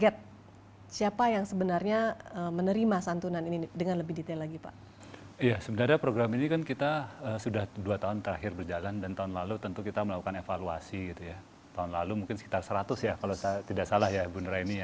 dan bersama kami indonesia forward masih akan kembali sesaat lagi